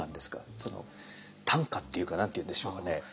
その単価っていうか何て言うんでしょうね。